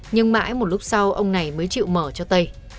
nhưng mãi một lúc sau ông này mới chịu mở cho tây